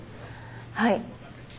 はい。